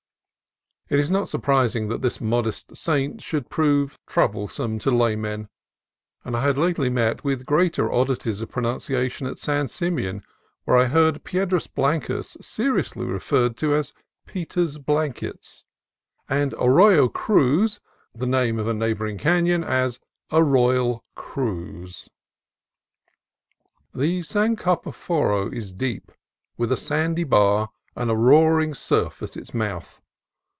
It is not surprising that this modest saint should prove troublesome to laymen ; and I had lately met with greater oddities of pronunciation at San Simeon, where I heard Piedras Blancas seriously referred to as "Peter's Blankets," and Arroyo Cruz, the name of a neighboring canon, as "A Royal Cruise.") The San Carp6foro is deep, with a sandy bar and a roaring surf at its mouth.